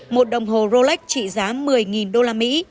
một đồng hồ rolex trị giá một mươi đô la mỹ